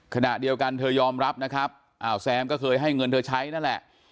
ขณะเดียวกันเธอยอมรับนะครับอ้าวแซมก็เคยให้เงินเธอใช้นั่นแหละ